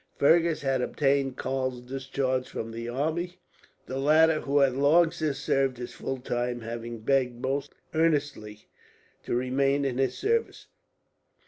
Fergus had obtained Karl's discharge from the army the latter, who had long since served his full time, having begged most earnestly to remain in his service.